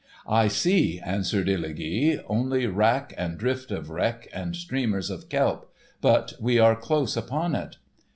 "I see," answered Illugi, "only wrack and drift of wreck and streamers of kelp, but we are close upon it."